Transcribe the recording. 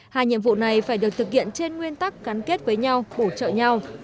hai nhiệm vụ này phải được thực hiện trên nguyên tắc gắn kết với nhau bổ trợ nhau